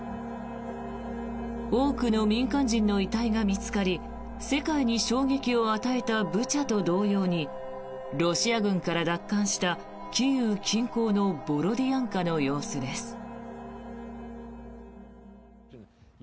多くの民間人の遺体が見つかり世界に衝撃を与えたブチャと同様にロシア軍から奪還したキーウ近郊のボロディアンカの様子です。